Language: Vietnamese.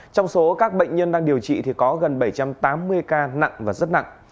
trong số các bệnh nhân đang điều trị thì có gần bảy trăm tám mươi ca nặng và rất nặng